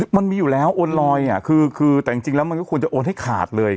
มันมีอยู่แล้วโอนลอยอ่ะคือแต่จริงแล้วมันก็ควรจะโอนให้ขาดเลย